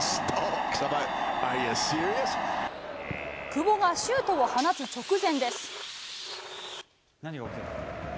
久保がシュートを放つ直前です。